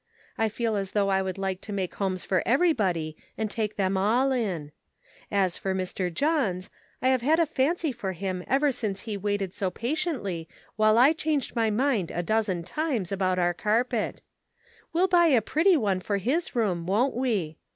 I feel as though I would like to make homes for everybody and take them all in. As for Mr. Johns, I have had a fancy for him ever since he waited so patiently while I changed my mind a dozen times, about our carpet. We'll buy a pretty one for his room, won't we